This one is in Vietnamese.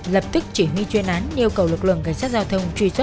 lập tức chỉ huy chuyên án yêu cầu lực lượng cảnh sát giao thông truy xét